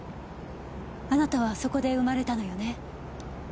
あなたはそこで生まれたのよね？